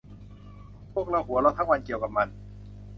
พวกเราหัวเราะทั้งวันเกี่ยวกับมัน